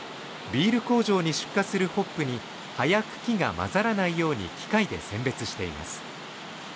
ビール工場に出荷するホップに葉や茎が混ざらないように機械で選別しています